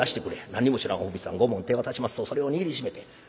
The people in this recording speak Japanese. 何にも知らんおふみさん五文手渡しますとそれを握りしめて。